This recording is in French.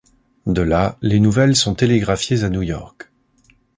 De là, les nouvelles sont télégraphiées à New York.